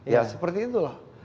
ya seperti itulah